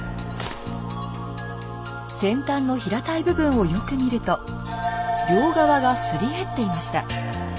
先端の平たい部分をよく見ると両側がすり減っていました。